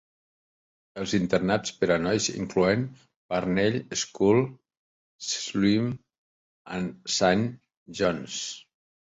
Els internats per a nois inclouen Parnell, School, Selwyn, and Saint John's.